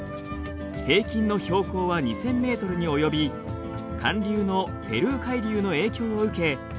平均の標高は２，０００ｍに及び寒流のペルー海流の影響を受け